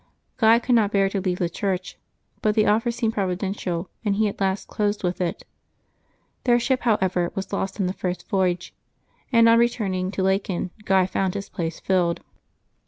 Guy could not bear to leave the church; but the offer seemed providential, and he at last closed with it. Their ship, liowever, was lost on the first voyage, and on returning to Laeken Guy found his place filled.